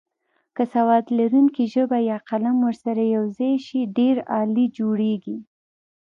که سواد لرونکې ژبه یا قلم ورسره یوځای شي ډېر عالي جوړیږي.